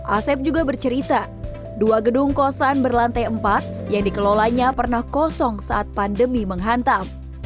asep juga bercerita dua gedung kosan berlantai empat yang dikelolanya pernah kosong saat pandemi menghantam